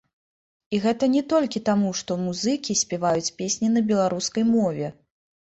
І гэта не толькі таму што музыкі спяваюць песні на беларускай мове.